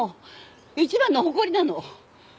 一番の誇りなの！